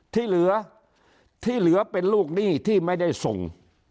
ที่เหลือที่เหลือเป็นลูกหนี้ที่ไม่ได้ส่ง